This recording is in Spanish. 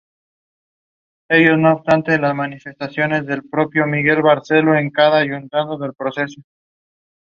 Se casaron en la iglesia rosarina de Parroquia Nuestra Señora de La Mercedes.